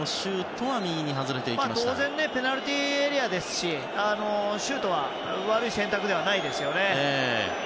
当然ペナルティーエリアですしシュートは悪い選択ではないですよね。